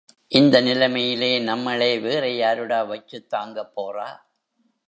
இந்த நிலைமையிலே நம்மளே வேறே யாருடா வச்சுத் தாங்கப் போறா?